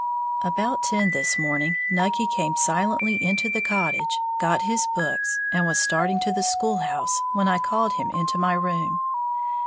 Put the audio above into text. _ About ten this morning, Nucky came silently into the cottage, got his books, and was starting to the school house, when I called him into my room.